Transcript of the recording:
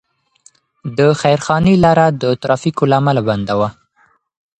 د خیرخانې لاره د ترافیکو له امله بنده وه.